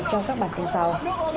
cho các bạn tin sau